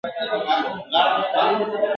ماته مه وایه چي نه یې پوهېدلی !.